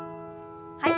はい。